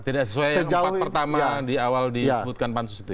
tidak sesuai yang empat pertama di awal disebutkan pansus itu ya